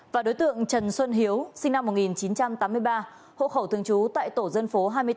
và đối tượng trần xuân hiếu sinh năm một nghìn chín trăm tám mươi ba hộ khẩu thường trú tại tổ dân phố hai mươi bốn